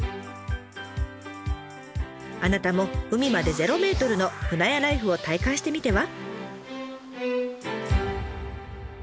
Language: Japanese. あなたも海まで０ｍの舟屋ライフを体感してみては？